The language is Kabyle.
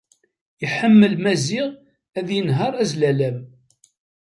Yeḥmmel Maziɣ ad yenher azlalam.